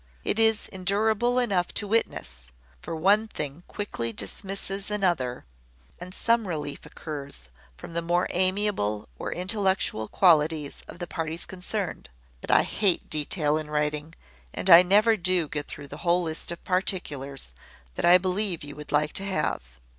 It is endurable enough to witness; for one thing quickly dismisses another, and some relief occurs from the more amiable or intellectual qualities of the parties concerned: but I hate detail in writing; and I never do get through the whole list of particulars that I believe you would like to have.